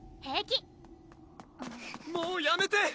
平気もうやめて！